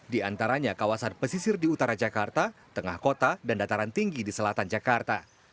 di antaranya kawasan pesisir di utara jakarta tengah kota dan dataran tinggi di selatan jakarta